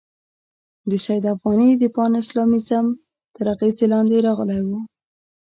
د سید افغاني د پان اسلامیزم تر اغېزې لاندې راغلی وو.